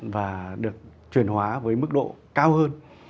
và được truyền hóa với mức độ cao hơn